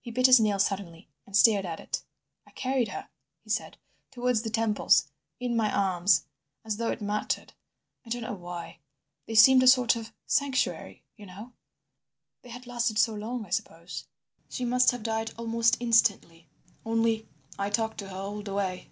He bit his nail suddenly, and stared at it. "I carried her," he said, "towards the temples, in my arms—as though it mattered. I don't know why. They seemed a sort of sanctuary, you know, they had lasted so long, I suppose. "She must have died almost instantly. Only—I talked to her all the way."